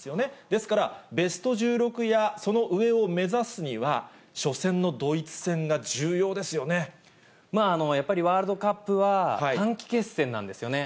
ですから、ベスト１６や、その上を目指すには、まあ、やっぱりワールドカップは、短期決戦なんですよね。